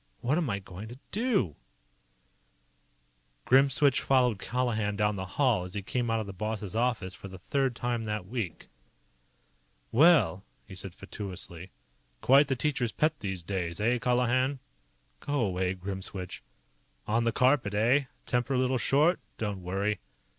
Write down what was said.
"What am I going to do?" Grimswitch followed Colihan down the hall as he came out of the boss's office for the third time that week. "Well!" he said fatuously. "Quite the teacher's pet, these days. Eh, Colihan?" "Go away, Grimswitch." "On the carpet, eh? Temper a little short? Don't worry."